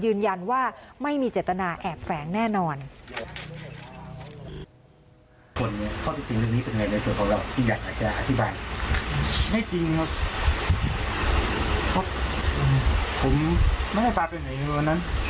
ยืนยันว่าไม่มีเจตนาแอบแฝงแน่นอน